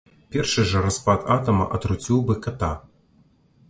Першы жа распад атама атруціў бы ката.